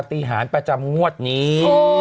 ติหารประจำงวดนี้